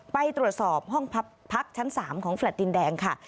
ไปตรวจสอบห้องพักชั้น๓ของแฟลต์ดินแดงค่ะ